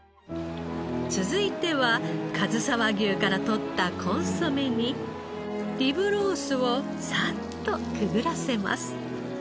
続いてはかずさ和牛からとったコンソメにリブロースをサッとくぐらせます。